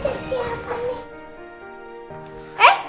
ih ada siapa nih